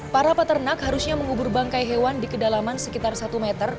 para peternak harusnya mengubur bangkai hewan di kedalaman sekitar satu meter